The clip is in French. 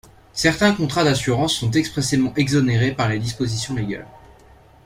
Certains contrats d'assurance sont expressément exonérés par les dispositions légales.